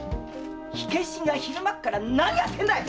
火消しが昼間から何やってんだい‼